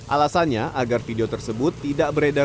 alasannya agar video tersebut tidak beredar